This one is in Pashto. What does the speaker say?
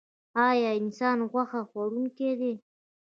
ایا انسان غوښه خوړونکی دی؟